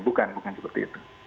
bukan bukan seperti itu